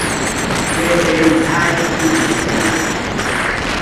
Kue ei jae ususairo